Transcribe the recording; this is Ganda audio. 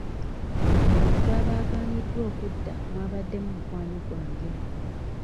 Mu bantu abaaganiddwa okudda mwabaddemu mukwano gwange.